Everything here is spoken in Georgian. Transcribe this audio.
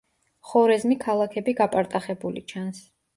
ხორეზმი ქალაქები გაპარტახებული ჩანს.